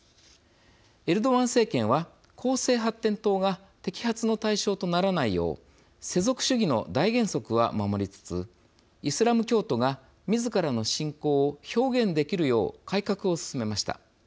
エルドアン政権は公正発展党が摘発の対象とならないよう世俗主義の大原則は守りつつイスラム教徒がみずからの信仰を表現できるよう改革を進めました。